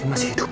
dia masih hidup